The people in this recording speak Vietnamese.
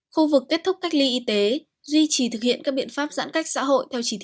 khu vực kết thúc cách ly y tế duy trì thực hiện các biện pháp giãn cách xã hội theo chỉ thị một mươi sáu